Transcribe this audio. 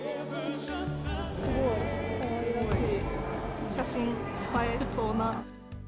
すごいかわいらしい、写真映えしそうな。